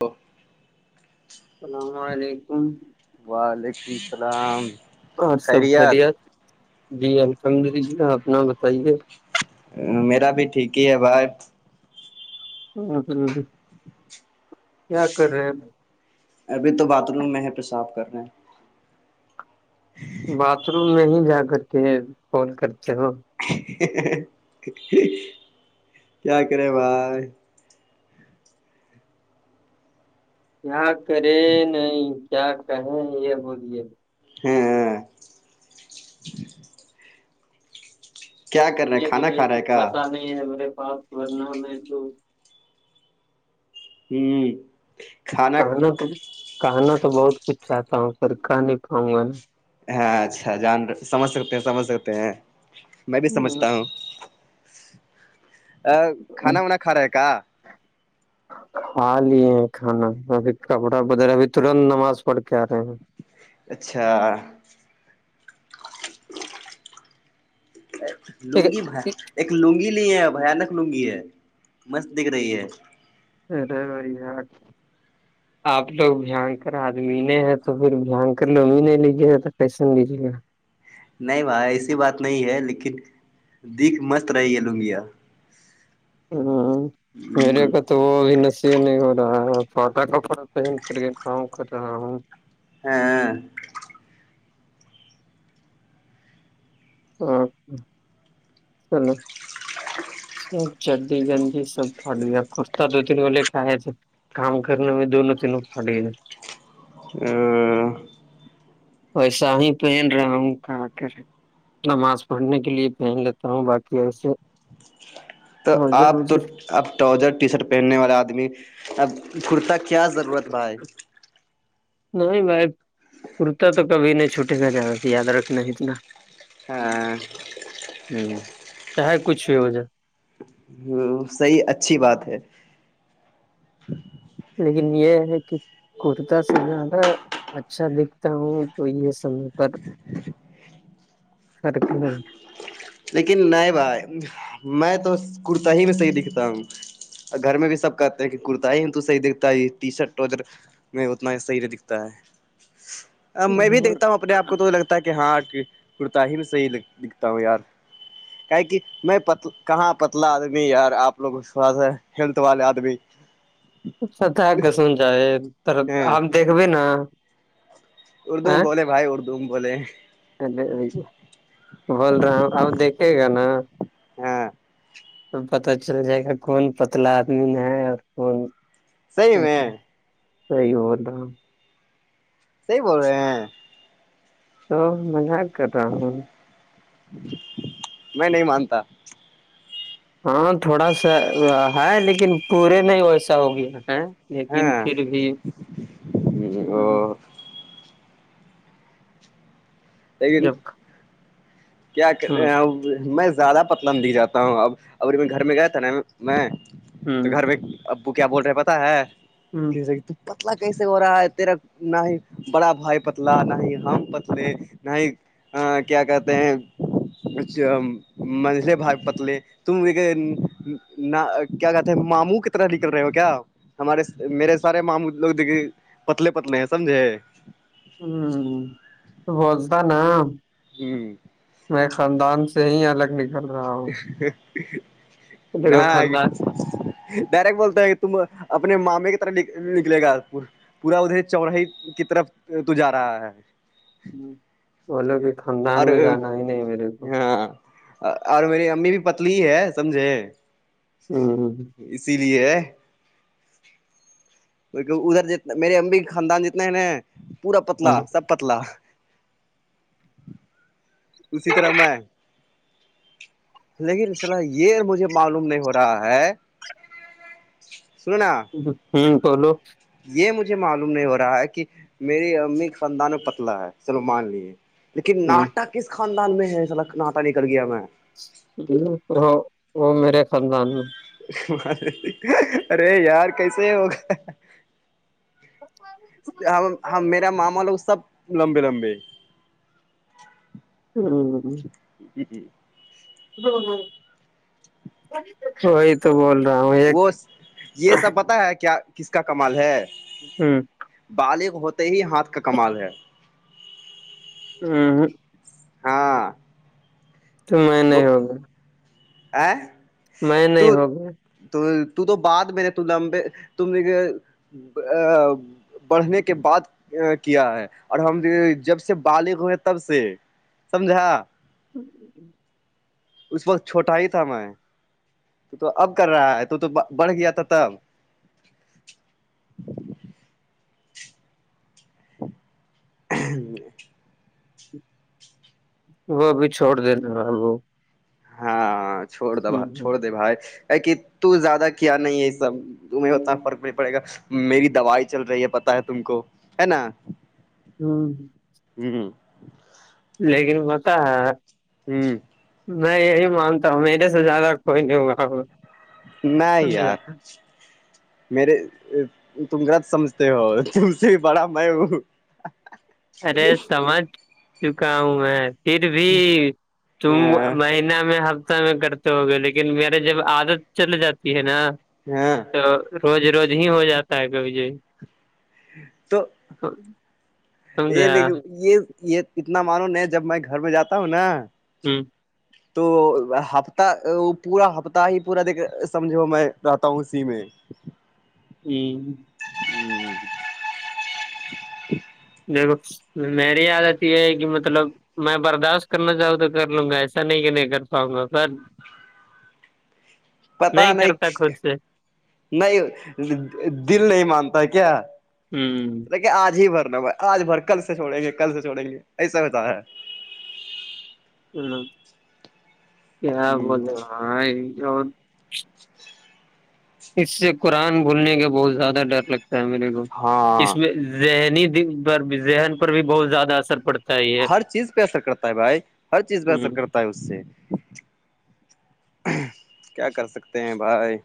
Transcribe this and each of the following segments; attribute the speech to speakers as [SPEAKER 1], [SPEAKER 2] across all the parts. [SPEAKER 1] تو
[SPEAKER 2] اللام علیکم
[SPEAKER 1] وعلیکم السلام
[SPEAKER 2] اور سب
[SPEAKER 1] خیریت
[SPEAKER 2] خریت جی الحمد للہ اپنا بتائیے
[SPEAKER 1] میرا بھی ٹھیک ہی ہے بھائی
[SPEAKER 2] ہ ہ ہ کیا کر رہے ہیں
[SPEAKER 1] ابھی تو باتھ روم میں ہے پہ صاف کر رہے ہیں
[SPEAKER 2] باتھ روم میں ہی جا کر کے فون کرتے ہو
[SPEAKER 1] کیا کرے بھائی
[SPEAKER 2] کیا کرے نہیں کیا کہیں یہ بولیے
[SPEAKER 1] ہوں کیا کر رہے ہیں
[SPEAKER 2] سے کے
[SPEAKER 1] کھانا
[SPEAKER 2] لیے
[SPEAKER 1] کھا رہے
[SPEAKER 2] کچھ
[SPEAKER 1] کا
[SPEAKER 2] بسان نہیں ہے میرے پاس ورنہ میں تو
[SPEAKER 1] ہ
[SPEAKER 2] کہنا تو کہنا تو بہت کچھ چاہتا ہوں پھر کہ نہیں پاؤں گا نا
[SPEAKER 1] ہاں اچھا جان سمجھ سکتے ہیں سمجھ سکتے ہیں میں بھی سمجھتا ہوں
[SPEAKER 2] ہوں،
[SPEAKER 1] کھانا وانا کھا رہا کا [inaudible]
[SPEAKER 2] کھا لی ہیں کھانا ابھی کپڑا بدھرا ابھی ترنت نماز پڑھ کے آ رہے ہیں
[SPEAKER 1] اچھا
[SPEAKER 2] ٹھیک
[SPEAKER 1] لگی بھر
[SPEAKER 2] ہے،
[SPEAKER 1] ایک لنگی نہیں ہے بانک لنگی ہے مست دکھ رہی ہے
[SPEAKER 2] ا رہے بی آیاٹ
[SPEAKER 1] ج
[SPEAKER 2] آپ لوگ بھیانک آدمی نہیں ہے تو پھر بھیانکر لو ہی نہیں لیجیے گ تو پیسا لیجیے گا
[SPEAKER 1] نہیں بھائی ایسی بات نہیں ہے لیکن دکھ مست رہی ہے لگیا
[SPEAKER 2] ہاں مری
[SPEAKER 1] ہ
[SPEAKER 2] تو وہ ابھی نصیب نہیں ہو رہا ہے فاٹا کپڑا پہن کر کے کام کر رہا ہوں
[SPEAKER 1] ہاں
[SPEAKER 2] ہاں چلو س چڈی گنجی سب پٹویا کستا دو تین والے کا ہے تھ کام کرنا میں دونوں تینوں فاٹی گ
[SPEAKER 1] ہ
[SPEAKER 2] وسا ہی پہن رہا ہوں کہ کر نماز پڑھنے کے لیے پہن لیتا ہوں باقی ایسے
[SPEAKER 1] تو
[SPEAKER 2] اوزر
[SPEAKER 1] آپ تو
[SPEAKER 2] وزر
[SPEAKER 1] اب ٹراؤزر ٹی شرٹ پہننے والا آدمی اب کرتا کیا ضرورت بھائی
[SPEAKER 2] نہیں بھائی کرتا تو کبھی نہیں چھوٹے گ جا رہا یاد رکھنا اتنا
[SPEAKER 1] ہاں
[SPEAKER 2] ہوں ا کچھ ہو وجہ [unintelligible]
[SPEAKER 1] ہوں صحیح اچھی بات ہے
[SPEAKER 2] لیکن یہ ہے کہ کرتا سے زیادہ اچھا دکھتا ہوں تو یہ سم پر سرک [unintelligible]
[SPEAKER 1] لیکن نہیں بھائی میں تو کرتا ہی میں صحیح دکھتا ہوں اور گھر میں بھی سب کہتے ہیں کہ کرتا ہی ہم تو صحی دکھھتا ہے ٹی شرٹ ٹرٹ نہیں اتنا ہی صحیح نہیں دکھتا ہے ا میں بھی دیکھتا ہوں اپنے آپ کو تو لگتا ہے کہ ہاں کرتا ہی بھی صحیح دکھتا ہوں یار کیا کہ میںت کہاں پتلا آدمی یار آپ لوگ تھوڑا سا ہیلتھ والے آدمی اچ [unintelligible]
[SPEAKER 2] اچ ست کے سن جائے تر
[SPEAKER 1] ہیں
[SPEAKER 2] ہم دیکھبے نا
[SPEAKER 1] اردو میں بولے بھائی اردو میں بولے
[SPEAKER 2] اے بول رہا ہوں اب دیکھے گا نا
[SPEAKER 1] ہاں
[SPEAKER 2] تو پت چل جائے گا کون پتلا آدمی میں ہے اور کون
[SPEAKER 1] صحیح
[SPEAKER 2] مٹ
[SPEAKER 1] میں
[SPEAKER 2] ہے سئی ہوول
[SPEAKER 1] صحی بول رہے ہیں
[SPEAKER 2] تو مزاق کر رہا ہوں
[SPEAKER 1] میں نہیں مانتا
[SPEAKER 2] ہاں تھوڑا سا ہے لیکن پورے نہیں ویسا ہوگیا ا لیکن
[SPEAKER 1] ہاں
[SPEAKER 2] پھر بھی ہ
[SPEAKER 1] او
[SPEAKER 2] [unintelligible]
[SPEAKER 1] لیکن
[SPEAKER 2] جب
[SPEAKER 1] کیا
[SPEAKER 2] ہوں
[SPEAKER 1] کر میں زیادہ پتا م دکھ جاتا ہوں اب ا میں گھر میں گیا تھا نا میں تو
[SPEAKER 2] ہوں
[SPEAKER 1] گھر میں ابو کیا بول رہے ہیں پتا ہے
[SPEAKER 2] ہوں
[SPEAKER 1] کسے پتلا کیسے ہو رہا ہے تیرا نہ ہی بڑا بھائی پتلا نہ ہی ہم پتلے نہ ہی کیا کہتے ہیں کچھ منجلے بھائی پتلے تم ایک کیا کہتے ماموں کی طرح نکل رہے ہو کیا ہمارے میرے سارے مام لوگ دیکے پتلے پتلے ہیں سمجھے
[SPEAKER 2] ہوں بولتا نا [unintelligible]
[SPEAKER 1] جوں [unintelligible]
[SPEAKER 2] میں خاندان سے ہی الگ نکل رہا ہوں دیکھو
[SPEAKER 1] نہگ
[SPEAKER 2] خاندان
[SPEAKER 1] [unintelligible] ڈائریکٹ بولتا ہے تم اپنے مامے کی طرح نکلے گا آج پور پورا ادھر چوراہائیی کی طرف تو جا رہا ہے
[SPEAKER 2] ہ بولو کہ خاندان
[SPEAKER 1] اور
[SPEAKER 2] میں جانا ہی نہیں میرے کو [unintelligible]
[SPEAKER 1] ہاں اور میری امی بھی پتلی ہے سمجھے
[SPEAKER 2] ہوں [inaudible]
[SPEAKER 1] اسی لیے ادھر ج میرے امبی خاندان جتنا ہے نا پورا پتلا سب پتلا اسی طرح میں [unintelligible] لیکن سرح یہ مجھے معلوم نہیں ہو رہا ہے سننا
[SPEAKER 2] ہوں بولو [unintelligible]
[SPEAKER 1] یہ مجھے معلوم نہیں ہو رہا ہے کہ میری امی خاندان میں پتلا ہے سلی مان لیے لیکن
[SPEAKER 2] ہ
[SPEAKER 1] ناٹا کس خاندان میں ہے ناٹا ن کر گیا میں
[SPEAKER 2] ج وہ میرے خاندان میں [unintelligible]
[SPEAKER 1] ارے یار کیسے ہوگا
[SPEAKER 2] ہ [inaudible]
[SPEAKER 1] میرا ماما لوگ سب لمبے لمبے [unintelligible]
[SPEAKER 2] [unintelligible]
[SPEAKER 1] جی جی
[SPEAKER 2] وہی تو بول رہا ہوں ایک
[SPEAKER 1] وہ یہ سب پتا ہے کیا کس کا کمال ہے
[SPEAKER 2] ہوں
[SPEAKER 1] بالغ ہوتے ہی ہاتھ کا کمال ہے
[SPEAKER 2] ہوں
[SPEAKER 1] ہاں
[SPEAKER 2] تو میں
[SPEAKER 1] وہ
[SPEAKER 2] نہیں ہوگا
[SPEAKER 1] [unintelligible]
[SPEAKER 2] میں نہیں
[SPEAKER 1] تو
[SPEAKER 2] ہو گیا
[SPEAKER 1] تو تو بعد میں نے لمبے تم نے بڑھنے کے بعد کیا ہے اور ہم جب سے بالغ ہوئے تب سے سمجھا
[SPEAKER 2] [unintelligible]
[SPEAKER 1] اس وقت چھوٹا ہی تھا میں تو تو اب کر رہا ہے تو تو بڑھ گیا تھا تب [unintelligible]
[SPEAKER 2] وہ ابھی چھوڑ دینا ہےب وہ
[SPEAKER 1] ہاں چھوڑ د ب
[SPEAKER 2] ہوں ہوں
[SPEAKER 1] چھوڑ دے بھائی ا کہ تو زیادہ کیا نہیں ہے سب تمہیں اتنا فرق نہیں پڑے گا میری دوائی چل رہی ہے پتا ہے تم کو ہے نا
[SPEAKER 2] ہاں
[SPEAKER 1] جی
[SPEAKER 2] لیکن ہوتا ہے
[SPEAKER 1] ہوں
[SPEAKER 2] میں یہی مانتا ہوں میرے سے زیادہ کوئی نہیں ہوا
[SPEAKER 1] نہیں
[SPEAKER 2] ہوگا
[SPEAKER 1] یار میرے تم غد سمجھتے ہو تم سے بھی پڑا میں ہوں [unintelligible]
[SPEAKER 2] ارے سمجھ چکا ہوں میں پھر بھی
[SPEAKER 1] ہاں
[SPEAKER 2] مہینہ میں ہفتہ میں گ تو ہو گیا لیکن میرے جب عادت چل جاتی ہے نا
[SPEAKER 1] ہاں
[SPEAKER 2] تو روز روز ہی ہو جاتا ہے کبھی جی
[SPEAKER 1] تو یہ
[SPEAKER 2] سمجھا
[SPEAKER 1] لیکن یہ یہ اتنا معلوم نہیں جب میں گھر میں جاتا ہوں نا
[SPEAKER 2] ہوں
[SPEAKER 1] [unintelligible] تو ہفتہ پورا ہفتہ ہی پورا د سمجھو میں رہتا ہوں اسی میں
[SPEAKER 2] ہوں
[SPEAKER 1] [unintelligible]
[SPEAKER 2] دیکھو میری عادت یہ ہے کہ مطلب میں برداشت کرنا چاہوں تو کر لوں گا ایسا نہیں کہ نہیں کر پاؤں گا سر
[SPEAKER 1] پتا نہیں
[SPEAKER 2] کرتا خود سے
[SPEAKER 1] نہیں دل نہیں مانتا کیا
[SPEAKER 2] ہ
[SPEAKER 1] آج ہی بھر ن بھائی آج بھر کل سے چوڑیں گے کل سے چوڑیں گے ایسا بتا ہے
[SPEAKER 2] ہ کیا
[SPEAKER 1] ہے
[SPEAKER 2] بولے اور اس سے قرآن بھولنے کا بہت زیادہ ڈر لگتا ہے میرے کو اس
[SPEAKER 1] ہاں
[SPEAKER 2] میں ذہنی بھی ذہن پر بھی بہت زیادہ اثر پڑتا ہی ہے
[SPEAKER 1] ہر چیز پہ اثر کرتا ہے بھائی ہر چیز پہ اثر
[SPEAKER 2] ہ
[SPEAKER 1] کرتا اس سے کیا کر سکتے ہیں بھائی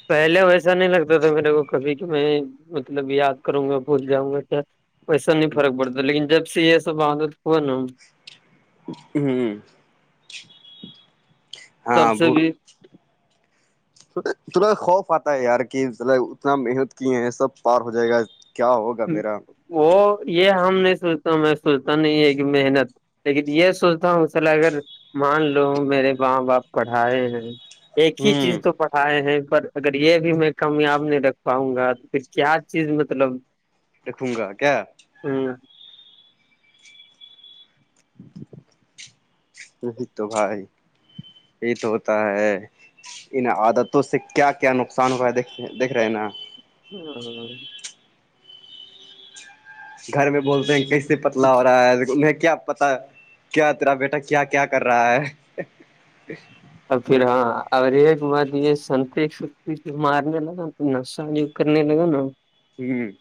[SPEAKER 1] ا
[SPEAKER 2] پہلے ویسا نہیں لگتا تھا میرے کو کبھی کہ میں مطلب یاد کروں گا بھول جاؤں گا ویسا نہیں فرق پڑتا لیکن جب سے یہ سب آتا ہوا نا
[SPEAKER 1] ہوں
[SPEAKER 2] تب سے بھی
[SPEAKER 1] تھڑا خوف آتا ہے یار کہ ملب اتنا محنت کی ہے سب پار ہو جائے گا کیا ہوگا میرا
[SPEAKER 2] وہ یہ ہم نہیں سوچتا میں سوچتا نہیں ہے کہ محنت لیکن یہ سوچتا ہوں مصل اگر مان لو میرے ماں باپ پڑھائے ہیں ایک ہی
[SPEAKER 1] ہوں
[SPEAKER 2] چیز تو پ آائے ہیں پر اگر یہ بھی میں کامیاب نہیں رکھ پاؤں گا تو پھر کیا چیز مطلب
[SPEAKER 1] رکھوں گا کیا
[SPEAKER 2] ہوں
[SPEAKER 1] نہیں تو بھائی یہ تو ہوتا ہے انن عادتوں سے کیا کیا نقصان ہوا ہے د دیکھ رہے ہیں نا
[SPEAKER 2] ہاں
[SPEAKER 1] گھر میں بولتے ہیں کیسے پتلا ہو رہا ہے انہیں کیا پتا کیا تیرا بیٹا کیا کیا کر رہا ہے
[SPEAKER 2] اور پھر ہاں اور ایک بات یہ سنتی ستی پ مارنے لگا تو نقشہ کرنے لگا نا
[SPEAKER 1] ہوں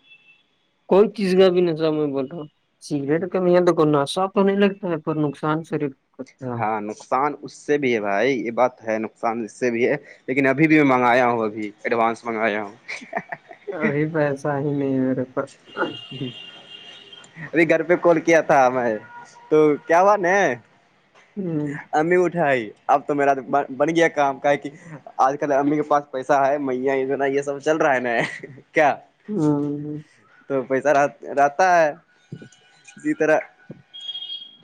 [SPEAKER 2] کوئی چیز کا بھی نظر میں بولتا ہوں سگریٹ کا نہیں د کوناسا تو نہیں لگتا ہے پر نقصان صرف
[SPEAKER 1] ہاں نقصان اس سے بھی ہے بھائی یہ بات ہے نقصان اس سے بھی ہے لیکن ابھی بھی میں منگایا ہوں ابھی ایڈوانس منگایا ہوں
[SPEAKER 2] ابھی پیسا ہی نہیں ار
[SPEAKER 1] جی ارے گھر پہ کال کیا تھا میں تو کیا ہوا ن
[SPEAKER 2] ہوں
[SPEAKER 1] امی اٹھاائی اب تو میرا بن گیا کام کا ہے کہ آج کل امی کے پاس پیسہ ہے میاں انا یہ سب چل رہا ہے نا کیا
[SPEAKER 2] ہوں ہ
[SPEAKER 1] تو پیسہ رہ رہتا ہے کسی طرح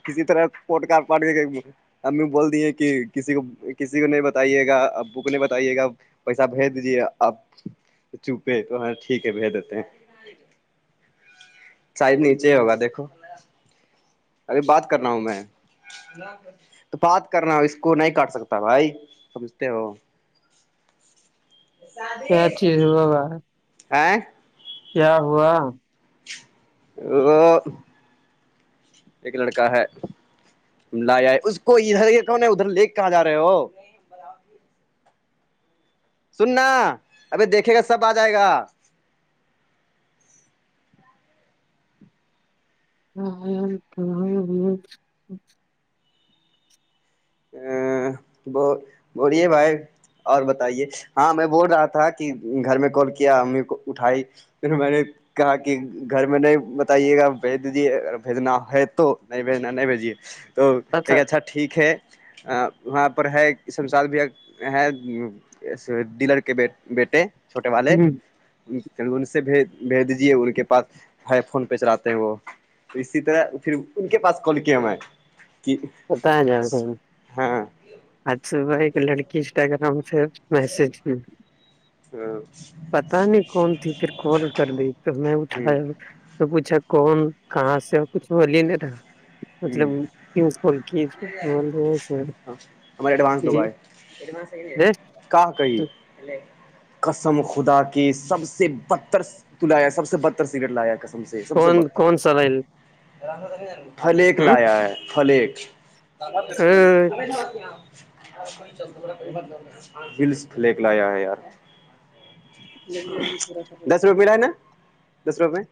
[SPEAKER 1] کسی طرح پٹ کار پٹ کہ ہمیں بول دیے کہ کسی کو کسی کو نہیں بتے گا ابو کو نہیں بتائیے گا پیسہ بھیج دیجیے اب چپے تو ہ ٹھیک ہے بھیج دیتے ہیں سحید نیچے ہوگا دیکھو ابے بات کر رہا ہوں میں تو بات کرنا اس کو نہیں کاٹ سکتا بھائی سمجھتے ہو س
[SPEAKER 2] ا چیز بابا
[SPEAKER 1] آئ
[SPEAKER 2] کیا ہوا
[SPEAKER 1] وہ ایک لڑکا ہے لایا ہے اس کو ادھر یہ کون ہے ادھر لیک کہاں جا رہے ہو سننا ابھی دیکھے گا سب آ جائے گا
[SPEAKER 2] ہ
[SPEAKER 1] ا ب بڑے بھائی اور بتائیے ہاں میں بول رہا تھا کہ گھر میں کال کیا امی کو اٹھائی پھر م کہا کہ گھر میں نہیں بتائیے گا بھیج دیجیے ا بھیجنا ہے تو نہیں بھیجنا نہیں بھیجیے تو کہ کہ
[SPEAKER 2] پتا
[SPEAKER 1] اچھا ٹھیک ہے وہاں پر ہے شمساد بھی ہے ڈلر کے بیٹے چھوٹے والے ان سے بھیج بھیج دیجے ان کے پاسائی فون پہ چلاتے ہیں وہ اسی طرح پھر ان کے پاس کلکم ہے
[SPEAKER 2] بت جاؤ گ
[SPEAKER 1] ہاں
[SPEAKER 2] اج صبح لڑکی انسٹاگررام سے میسج
[SPEAKER 1] ہ
[SPEAKER 2] پتا نہیں کون تھی پھر کال کر دی تو میں اٹھایا
[SPEAKER 1] ہ
[SPEAKER 2] تو پوچھا کون کہاں سے کچھ بلیے ن تھاا مطلب فک تو
[SPEAKER 1] ہمارے
[SPEAKER 2] ب س
[SPEAKER 1] کہاں کہی قسم خدا کے سب سے بدتر تو لایا سب سے بدتر سگریٹ لایا قسم سے سب سے
[SPEAKER 2] کون
[SPEAKER 1] بدتر
[SPEAKER 2] کون سا ریل
[SPEAKER 1] پلیک
[SPEAKER 2] ہوں
[SPEAKER 1] لایا ہے پلیک
[SPEAKER 2] اے،
[SPEAKER 1] ولس لیک لایا ہے یار دس روپے ملا ہے نا دس روپے میں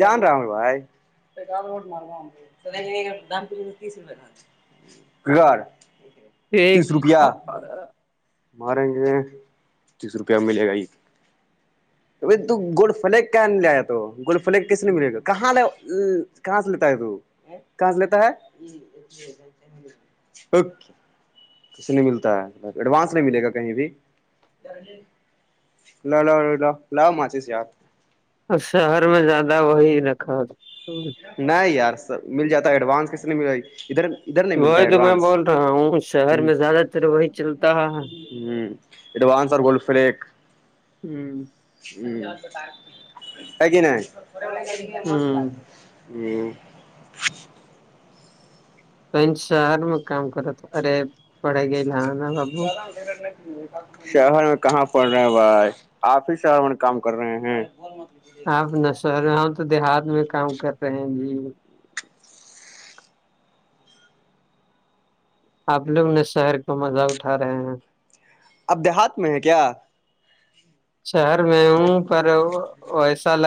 [SPEAKER 1] جان رامل بھائی س دام پ تیس روپ کال گا تیس روپیہ
[SPEAKER 2] ایک
[SPEAKER 1] ماریں گے تیس روپیہ ملے گا یہ بائی گولڈ فلیک کہاں لے آیا تو گولڈ فلیک کیسے ملے گا کہاں ل کہاں سے لیتا ہے تو- کہ لیتا ہے اوکے کے نہیں ملتا ہے ایڈوانس نہیں ملے گا کہیں بھی ل لو لو لو لاو مھےس یاد
[SPEAKER 2] اور شہر میں زیادہ وہی رکھا
[SPEAKER 1] نہیں یار سب مل جاتا ہے ایڈوانس کس نہیں مل رہی ادھر ادھر نہیں ملتا ہے
[SPEAKER 2] وہی تو میں
[SPEAKER 1] ایڈوانس
[SPEAKER 2] بول رہا ہوں شہر
[SPEAKER 1] ہ
[SPEAKER 2] میں زیادہ تر وہی چلتا ہے
[SPEAKER 1] ہ ایڈوانس آر گولڈ فلیک
[SPEAKER 2] ہوں
[SPEAKER 1] ہ ت کہ
[SPEAKER 2] ہوں
[SPEAKER 1] نہیں ہ
[SPEAKER 2] تون شہر م کام کرتا ارے پڑے گئی ل نا با
[SPEAKER 1] زیادہ اے رٹنے چے شہر میں کہاں پڑ رہے ہیں بھائی آپ ہی شہر میں کام کر رہے ہیں
[SPEAKER 2] آپ ن سر ہ تو دیہات میں کام کر رہے ہیں جی آپ لوگنے شہر کو مزہ اٹھا رہے ہیں
[SPEAKER 1] اب دیہات میں ہیں کیا
[SPEAKER 2] شہر میں ہوں پر وسا لگ